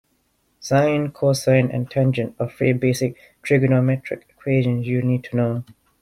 Sine, cosine and tangent are three basic trigonometric equations you'll need to know.